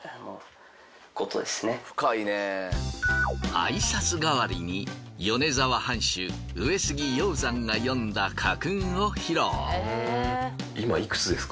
挨拶がわりに米沢藩主上杉鷹山が詠んだ家訓を披露。